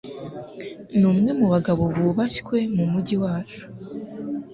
numwe mubagabo bubashywe mumujyi wacu.